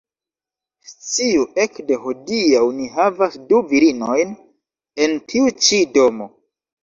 Sciu, ekde hodiaŭ, ni havas du virinojn en tiu ĉi domo